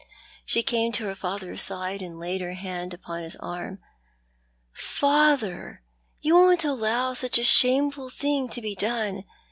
She came to her father's side, and laid her hand upon his arm. " Father, you won t allow such a shameful thing to be done